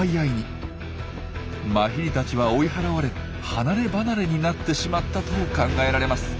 マヒリたちは追い払われ離れ離れになってしまったと考えられます。